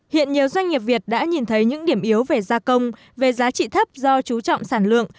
hiện nhiều doanh nghiệp việt đã nhìn thấy những điểm yếu về gia công về giá trị thấp do chú trọng sản lượng